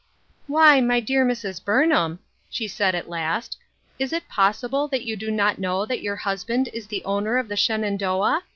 " Why, my dear Mrs. Burnham," she said at last, " is it possible that you do not know that your husband is the owner of the Shenandoah